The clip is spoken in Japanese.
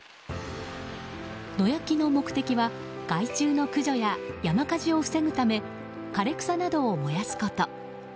野焼きの目的は害虫の駆除や山火事を防ぐため枯れ草などを燃やすこと。